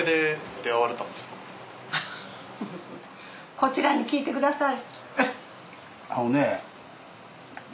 こちらに聞いてください。